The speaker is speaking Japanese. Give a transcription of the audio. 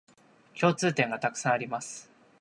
共通点がたくさんあります